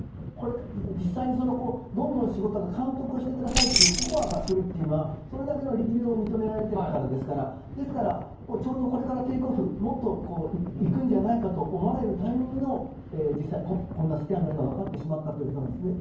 実際にどんどん仕事が監督をしてくださいというオファーが来るっていうのはそれだけの力量を認められているからですからちょうどこれからテイクオフしてもっと行くんじゃないかと思われるタイミングでの実際にこんなスキャンダルが分かってしまったということなんです。